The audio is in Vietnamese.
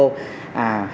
hệ thống làm sao